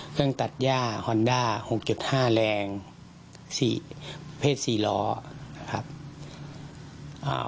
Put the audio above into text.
เครื่องตัดย่าฮอนด้าหกจุดห้าแรงสี่เพศสี่ล้อนะครับอ่า